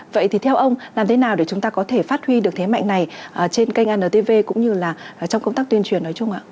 vậy thì theo ông làm thế nào để chúng ta có thể phát huy được thế mạnh này trên kênh antv cũng như là trong công tác tuyên truyền nói chung ạ